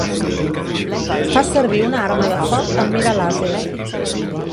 Fa servir una arma de foc, amb mira làser.